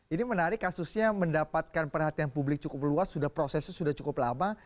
ini menarik kasusnya mendapatkan perhatian publik cukup luas prosesnya sudah cukup lama